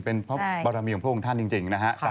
เป็นเพราะบารมีของพระองค์ท่านจริงนะฮะ